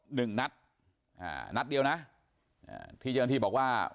หนึ่งนัดอ่านัดเดียวนะอ่าที่เจ้าหน้าที่บอกว่า